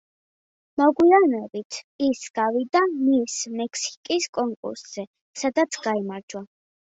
მოგვიანებით ის გავიდა „მის მექსიკის“ კონკურსზე, სადაც გაიმარჯვა.